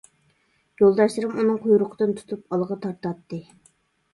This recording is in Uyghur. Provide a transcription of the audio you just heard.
يولداشلىرىم ئۇنىڭ قۇيرۇقىدىن تۇتۇپ ئالغا تارتاتتى.